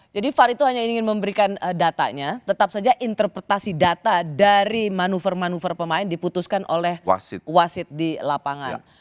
jadi fard itu hanya ingin memberikan datanya tetap saja interpretasi data dari manuver manuver pemain diputuskan oleh wasit di lapangan